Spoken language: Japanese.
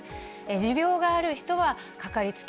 持病がある人は掛かりつけ